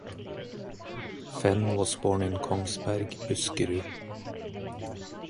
Fehn was born in Kongsberg, Buskerud.